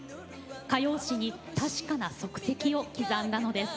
歌謡史に確かな足跡を刻んだのです。